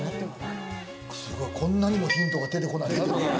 こんなにもヒントが出てこないとは。